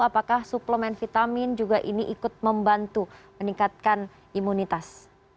apakah suplemen vitamin ini juga ikut membantu meningkatkan imunitas